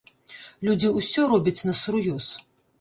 Людзі ўсё робяць насур'ёз.